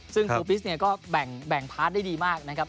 ซึ่งครูฟิศก็แบ่งพาร์ทได้ดีมากนะครับ